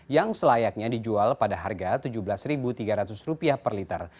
yang selayaknya dijual pada harga rp tujuh belas tiga ratus per liter